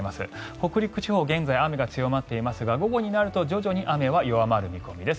北陸地方は現在、雨が強まっていますが午後になると徐々に雨は弱まる見込みです。